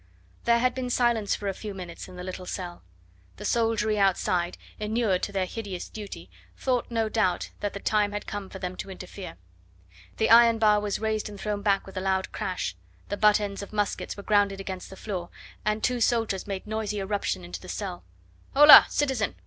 There had been silence for a few minutes in the little cell. The soldiery outside, inured to their hideous duty, thought no doubt that the time had come for them to interfere. The iron bar was raised and thrown back with a loud crash, the butt ends of muskets were grounded against the floor, and two soldiers made noisy irruption into the cell. "Hola, citizen!